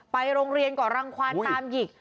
ไปโรงเรียนก็รังความตามหยิก